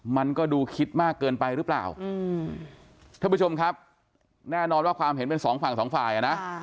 มันก็ดูคิดมากเกินไปหรือเปล่าท่านผู้ชมครับแน่นอนว่าความเห็นเป็นสองฝั่งสองฝ่ายอ่ะนะ